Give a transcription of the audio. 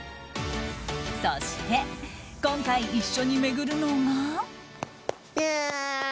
そして、今回一緒に巡るのが。